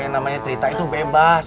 yang namanya cerita itu bebas